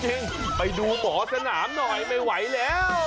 จริงไปดูหมอสนามหน่อยไม่ไหวแล้ว